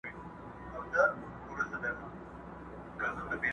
لاس مو تل د خپل ګرېوان په وینو سور دی!.